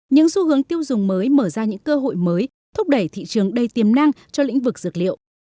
những xu hướng tiêu dùng mới mở ra những cơ hội mới thúc đẩy thị trường đầy tiềm năng cho lĩnh vực dược liệu